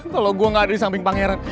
kalau gue gak ada di samping pangeran